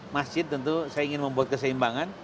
masjid tentu saya ingin membuat keseimbangan